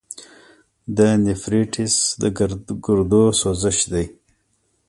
د نیفریټس د ګردو سوزش دی.